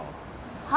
は？